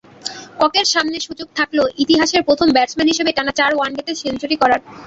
ককের সামনে সুযোগ থাকল ইতিহাসের প্রথম ব্যাটসম্যান হিসেবে টানা চার ওয়ানডেতে সেঞ্চুরি করার।